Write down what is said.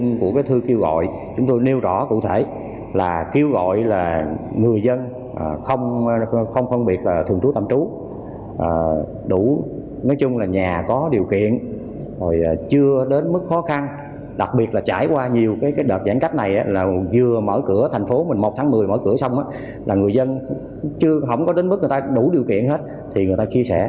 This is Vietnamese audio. một tháng một mươi mở cửa xong là người dân chưa không có đến mức người ta đủ điều kiện hết thì người ta chia sẻ